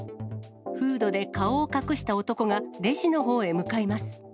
フードで顔を隠した男がレジのほうへ向かいます。